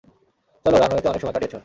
চলো রানওয়েতে অনেক সময় কাটিয়েছ।